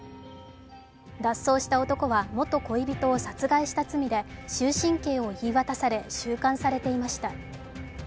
脱走した男は元恋人を殺害した罪で終身刑を言い渡され収監されていました。